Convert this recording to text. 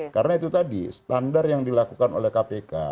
karena itu tadi standar yang dilakukan oleh kpk